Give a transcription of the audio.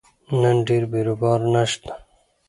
نن ډېر بیروبار نشته